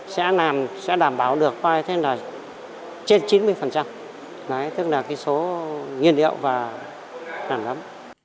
sẽ đảm bảo được trên chín mươi tức là số nhiên liệu và nấm